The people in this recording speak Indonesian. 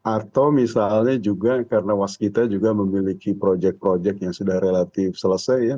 atau misalnya juga karena waskita juga memiliki proyek proyek yang sudah relatif selesai ya